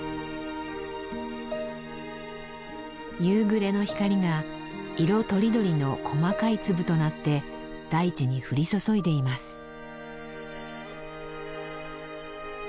夕暮れの光が色とりどりの細かい粒となって大地に降り注いでいます。